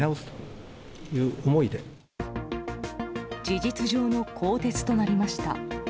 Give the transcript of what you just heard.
事実上の更迭となりました。